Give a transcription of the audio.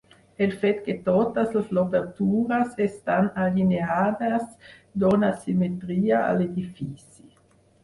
El fet que totes les obertures estan alineades dóna simetria a l'edifici.